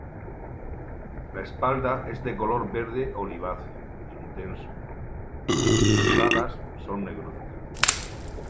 La espalda es de color verde oliváceo intenso y sus las alas son negruzcas.